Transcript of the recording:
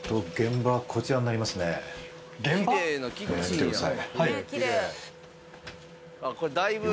見てください。